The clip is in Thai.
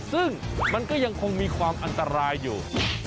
ซึ่งมันก็ยังคงมีความอันตรายอยู่